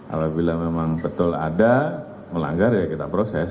apabila memang betul ada melanggar ya kita proses